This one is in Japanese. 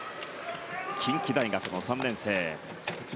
近畿大学の３年生。